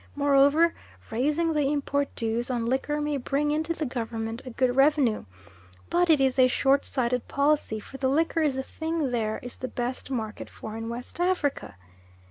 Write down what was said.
Moreover, raising the import dues on liquor may bring into the Government a good revenue; but it is a short sighted policy for the liquor is the thing there is the best market for in West Africa.